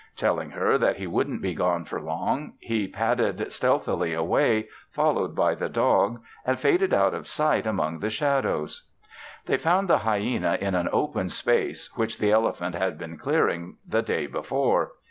Telling her that he wouldn't be gone for long, he padded stealthily away, followed by the dog, and faded out of sight among the shadows. They found the hyena in an open space which the elephant had been clearing the day before.